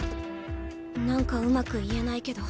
何かうまく言えないけど。